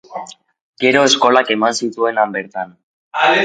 Gero, eskolak eman zituen han bertan.